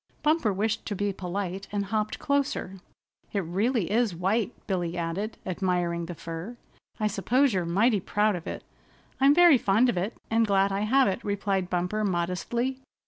Bumper wished to be polite and hopped closer. "It really is white," Billy added, admiring the fur. "I suppose you're mighty proud of it." "I'm very fond of it, and glad I have it," replied Bumper modestly.